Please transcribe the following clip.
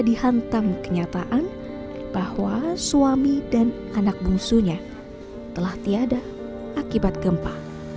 dihantam kenyataan bahwa suami dan anak bungsunya telah tiada akibat gempa